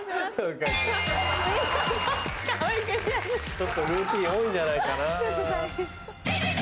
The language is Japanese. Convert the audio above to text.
ちょっとルーティン多いんじゃないかな。